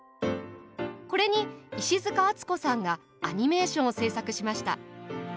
これにいしづかあつこさんがアニメーションを制作しました。